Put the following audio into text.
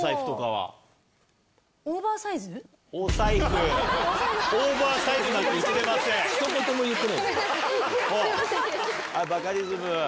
はいバカリズム。